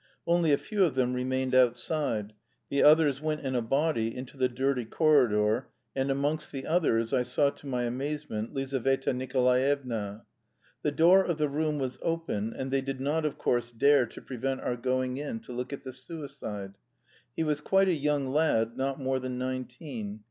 Only a few of them remained outside. The others went in a body into the dirty corridor, and amongst the others I saw, to my amazement, Lizaveta Nikolaevna. The door of the room was open, and they did not, of course, dare to prevent our going in to look at the suicide. He was quite a young lad, not more than nineteen.